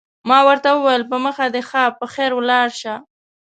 ما ورته وویل: په مخه دې ښه، په خیر ولاړ شه.